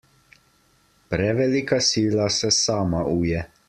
Prevelika sila se sama uje.